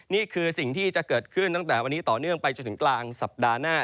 นี่คือสิ่งที่จะเกิดขึ้นตั้งแต่วันนี้ต่อเนื่องไปจนถึงกลางสัปดาห์หน้า